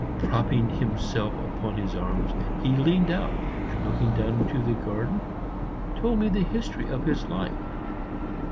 Propping himself upon his arms, he leaned out, and, looking down into the garden, told me the history of his life.